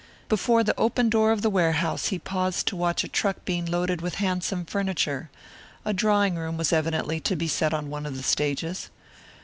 Before the open door of the warehouse he paused to watch a truck being loaded with handsome furniture a drawing room was evidently to be set on one of the stages.